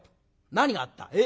何があった？え？